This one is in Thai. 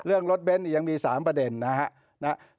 เรื่องรถเบนท์ยังมี๓ประเด็นนะครับ